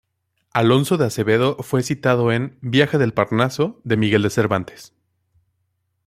Alonso de Acevedo fue citado en "Viaje del Parnaso" de Miguel de Cervantes.